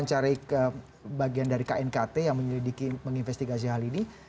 mencari bagian dari knkt yang menyelidiki menginvestigasi hal ini